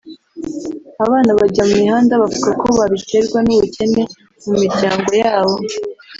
Abana bajya mu mihanda bavuga ko babiterwa n’ubukene mu miryango yabo